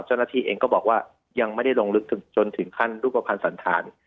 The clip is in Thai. เจ้าหน้าที่เองก็บอกว่ายังไม่ได้ลงลึกจนถึงขั้นรูปภัณฑ์สันธาร